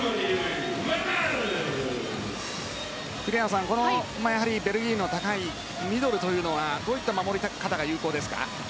栗原さん、ベルギーの高いミドルというのはどういった守り方が有効ですか。